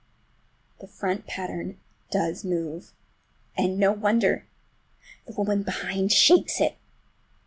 The front pattern does move—and no wonder! The woman behind shakes it!